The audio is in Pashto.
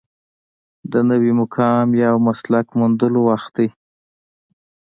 د نوي مقام یا مسلک موندلو وخت دی.